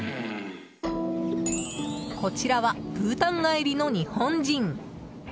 こちらはブータン帰りの日本人。